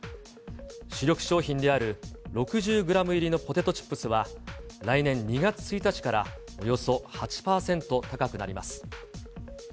主力商品である６０グラム入りのポテトチップスは、来年２月１日からおよそ８％高くなります。